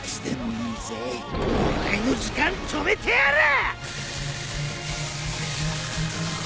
お前の時間止めてやる！